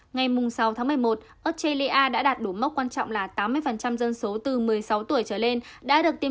ngày sáu tháng một mươi một australia đã đạt đủ mốc quan trọng là tám mươi dân số từ một mươi sáu tuổi trở lên đã được tiêm